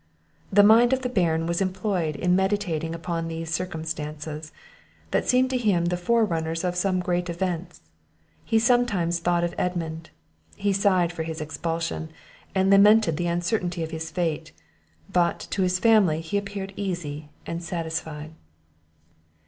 The mind of the Baron was employed in meditating upon these circumstances, that seemed to him the forerunners of some great events; he sometimes thought of Edmund; he sighed for his expulsion, and lamented the uncertainty of his fate; but, to his family, he appeared easy and satisfied.